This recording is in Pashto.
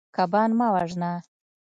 کبان مه وژنه.